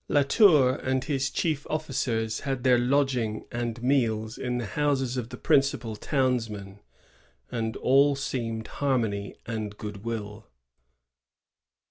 La Tour and his chief officers had their lodging and meals in the houses of the principal townsmen, and all seemed harmony and good will.